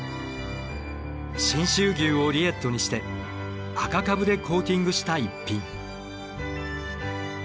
信州牛をリエットにして赤かぶでコーティングした一品。